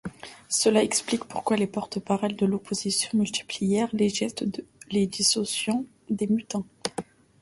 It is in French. Cela explique pourquoi les porte-paroles de l'Opposition multiplièrent les gestes les dissociant des mutins.